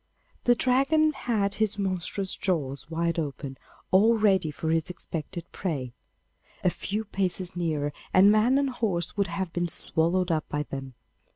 The Dragon had his monstrous jaws wide open, all ready for his expected prey. A few paces nearer, and man and horse would have been swallowed up by them!